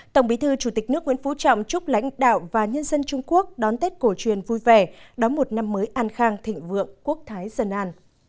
tổng bí thư chủ tịch nước nguyễn phú trọng chúc lãnh đạo và nhân dân trung quốc đón tết cổ truyền vui vẻ đón một năm mới an khang thịnh vượng quốc thái dân an